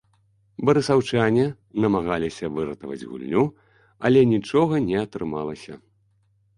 Барысаўчане намагаліся выратаваць гульню, але нічога не атрымалася.